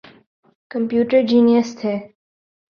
Computer genius تھے۔